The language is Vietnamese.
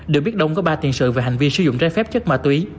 được biết đông có ba tiền sự về hành vi sử dụng trái phép chất ma túy